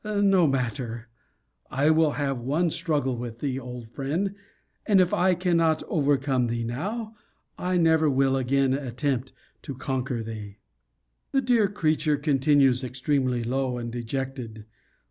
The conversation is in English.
No matter I will have one struggle with thee, old friend; and if I cannot overcome thee now, I never will again attempt to conquer thee. The dear creature continues extremely low and dejected.